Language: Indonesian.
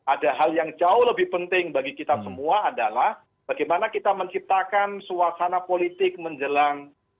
ada hal yang jauh lebih penting bagi kita semua adalah bagaimana kita menciptakan suasana politik menjelang